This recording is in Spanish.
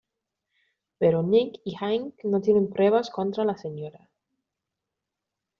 Pero Nick y Hank no tienen pruebas contra la Sra.